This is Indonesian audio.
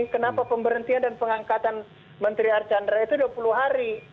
kenapa pemberhentian dan pengangkatan menteri archandra itu dua puluh hari